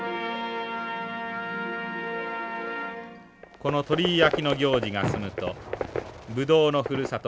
この鳥居焼きの行事が済むとブドウのふるさと